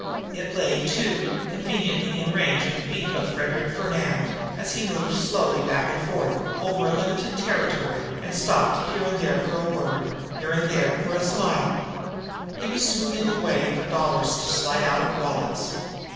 It lay, too, conveniently in range of the beat of Frederic Fernand, as he moved slowly back and forth, over a limited territory and stopped, here and there for a word, here and there for a smile. He was smoothing the way for dollars to slide out of wallets.